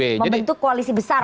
membentuk koalisi besar